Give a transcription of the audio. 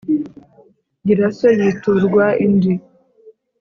gira so yiturwa indi